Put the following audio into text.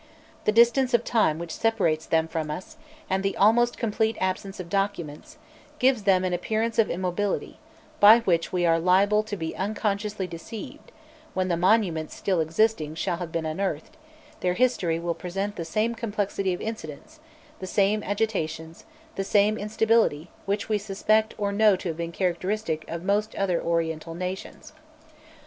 The distance of time which separates them from us, and the almost complete absence of documents, gives them an appearance of immobility, by which we are liable to be unconsciously deceived; when the monuments still existing shall have been unearthed, their history will present the same complexity of incidents, the same agitations, the same instability, which we suspect or know to have been characteristic of most other Oriental nations.